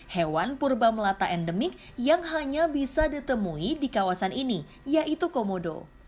hewan purba melata endemik yang hanya bisa ditemui di kawasan ini yaitu komodo